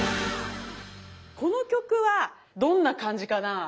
この曲はどんな感じかな。